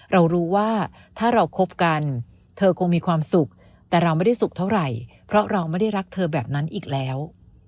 เรารู้ว่าถ้าเราคบกันเธอคงมีความสุขแต่เราไม่ได้สุขเท่าไหร่เพราะเราไม่ได้รักเธอแบบนั้นอีกแล้ว